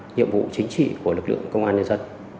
nhiệm vụ chính trị của lực lượng công an nhân dân